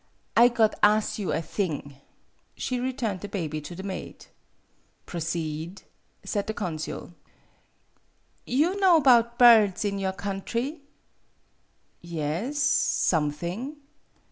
"I got as' you a thing." She returned the baby to the maid. "Proceed," said the consul. " You know 'bout birds in your country? " "Yes, something."